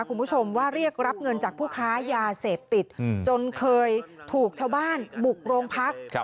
คุณผู้ชมว่าเรียกรับเงินจากผู้ค้ายาเสพติดจนเคยถูกชาวบ้านบุกโรงพัก